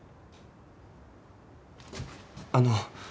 あの。